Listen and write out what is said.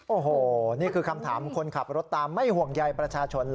โอ้โหนี่คือคำถามคนขับรถตามไม่ห่วงใยประชาชนเหรอ